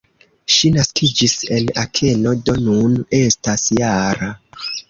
Ŝi naskiĝis en Akeno, do nun estas -jara.